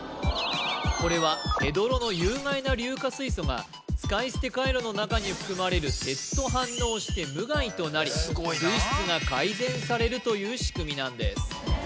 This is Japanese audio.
これはヘドロの有害な硫化水素が使い捨てカイロの中に含まれる鉄と反応して無害となり水質が改善されるという仕組みなんです